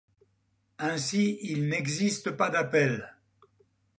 Ainsi il n’existe pas d’appel.